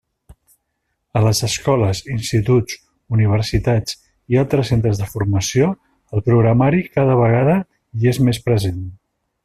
A les escoles, instituts, universitats i altres centres de formació el programari cada vegada hi és més present.